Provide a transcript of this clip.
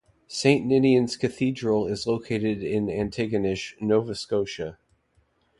Saint Ninian's Cathedral is located in Antigonish, Nova Scotia.